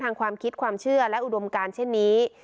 ความคิดความเชื่อและอุดมการเช่นนี้